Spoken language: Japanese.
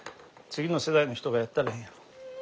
次の世代の人がやったらええやん。